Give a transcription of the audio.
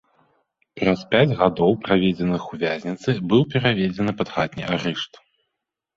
Праз пяць гадоў, праведзеных у вязніцы, быў пераведзены пад хатні арышт.